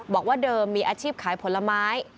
บอกว่าเดิมมีอาชีพขายผลไม้